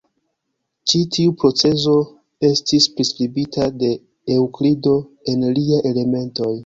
Ĉi tiu procezo estis priskribita de Eŭklido en lia "Elementoj".